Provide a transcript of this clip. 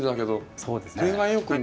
そうですよね。